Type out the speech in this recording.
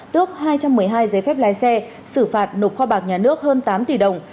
tước hai trăm một mươi hai giấy phép lái xe xử phạt nộp kho bạc nhà nước hơn tám tỷ đồng